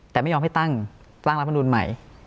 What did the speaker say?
แต่ไม่ยอมให้ตั้งรัฐพนธุรกิจใหม่